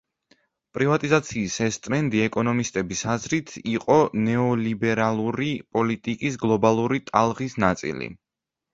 პრივატიზაციის ეს ტრენდი ეკონომისტების აზრით იყო ნეოლიბერალური პოლიტიკის გლობალური ტალღის ნაწილი.